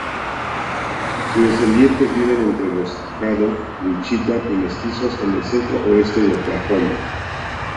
Sus descendientes viven entre los Caddo, Wichita y mestizos en el centro-oeste de Oklahoma.